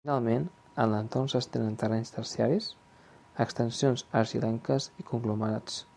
Finalment, en l'entorn s'estenen terrenys terciaris: extensions argilenques i conglomerats.